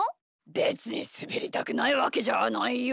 べつにすべりたくないわけじゃないよ。